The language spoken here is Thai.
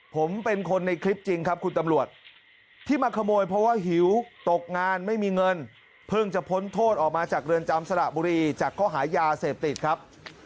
ผมเป็นคนในคลิปจริงครับคุณตำรวจที่มาขโมยเพราะว่าหิวตกงานไม่มีเงินเพิ่งจะพ้นโทษออกมาจากเรือนจำสระบุรีจากข้อหายาเสพติดครับ